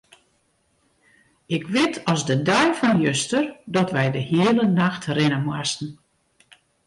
Ik wit as de dei fan juster dat wy de hiele nacht rinne moasten.